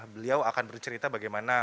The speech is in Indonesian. beliau akan bercerita bagaimana